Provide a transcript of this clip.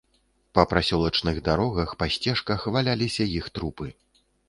Па прасёлачных дарогах, па сцежках валяліся іх трупы.